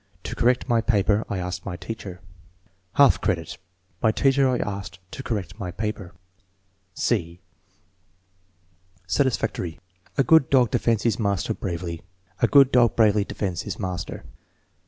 "To correct my paper I asked my teacher." Half credit. "My teacher I asked to correct my paper." (c) Satisfactory. "A good dog defends his master bravely." "A good dog bravely defends his master.'